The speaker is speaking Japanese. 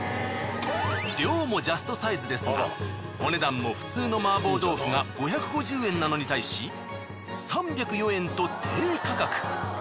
量もジャストサイズですがお値段も普通の麻婆豆腐が５５０円なのに対し３０４円と低価格。